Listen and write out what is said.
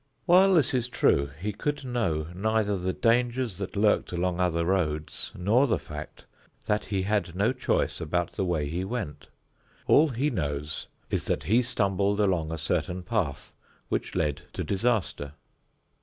While this is true, he could know neither the dangers that lurked along other roads, nor the fact that he had no choice about the way he went. All he knows is that he stumbled along a certain path which led to disaster.